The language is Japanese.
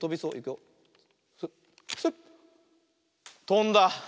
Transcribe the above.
とんだ。